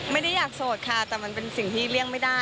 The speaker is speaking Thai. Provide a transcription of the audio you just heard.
ไม่ได้อยากโสดค่ะแต่มันเป็นสิ่งที่เลี่ยงไม่ได้